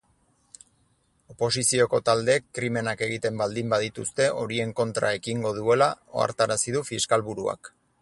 Oposizioko taldeek krimenak egiten baldin badituzte horien kontra ekingo duela ohartarazi du fiskalburuak.